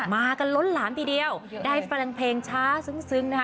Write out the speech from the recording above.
มากันล้นหลามทีเดียวได้ฟังเพลงช้าซึ้งนะคะ